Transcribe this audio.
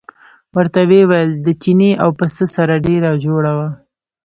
ورته ویې ویل د چیني او پسه سره ډېره جوړه وه.